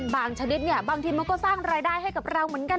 ชนิดเนี่ยบางทีมันก็สร้างรายได้ให้กับเราเหมือนกัน